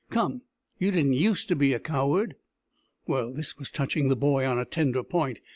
Come, you didn't use to be a coward." This was touching the boy on a tender point.